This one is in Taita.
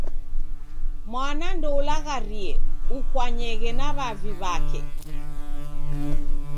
Mwana ndoulagharie, okwanyeghe na w'avi w'ake.